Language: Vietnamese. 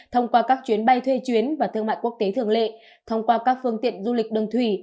thông qua các chuyến bay thuê chuyến và thương mại quốc tế thường lệ thông qua các phương tiện du lịch đường thủy